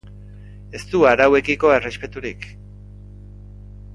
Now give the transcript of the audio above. Ez du arauekiko errespeturik.